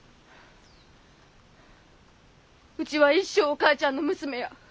うちは一生お母ちゃんの娘や。